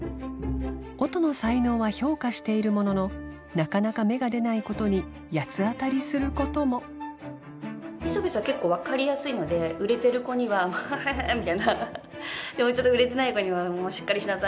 音の才能は評価しているもののなかなか芽が出ないことに八つ当たりすることも磯部さん結構分かりやすいので売れてる子にははいはいみたいな売れてない子にはしっかりしなさい！